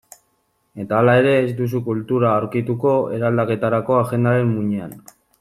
Eta hala ere, ez duzu kultura aurkituko eraldaketarako agendaren muinean.